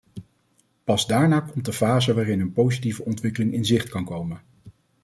Pas daarna komt de fase waarin een positieve ontwikkeling in zicht kan komen.